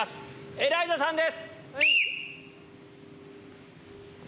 エライザさんです。